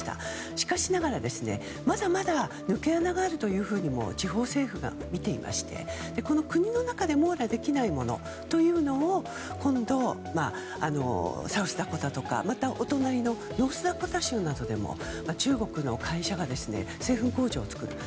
しかしながらまだまだ抜け穴があると地方政府が見ていまして国の中でも網羅できないものを今度、サウスダコタとかお隣のノースダコタ州で中国の会社が製粉工場を作って。